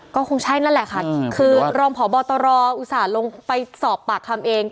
ก็คงใช่นั่นแหละค่ะคือรองพบตรออุตส่าห์ลงไปสอบปากคำเอง